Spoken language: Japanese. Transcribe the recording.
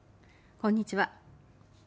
こんにちは。